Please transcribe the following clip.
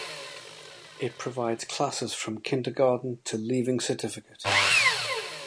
It provides classes from kindergarten to Leaving Certificate.